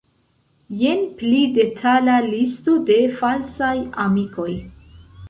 Jen pli detala listo de falsaj amikoj.